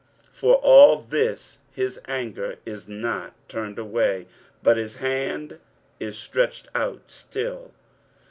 For all this his anger is not turned away, but his hand is stretched out still.